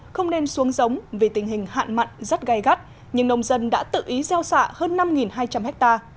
không nên xuống giống vì tình hình hạn mặn rất gai gắt nhưng nông dân đã tự ý gieo xạ hơn năm hai trăm linh ha